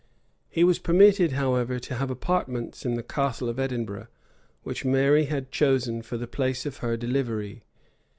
He was permitted, however, to have apartments in the Castle of Edinburgh, which Mary had chosen for the place of her delivery.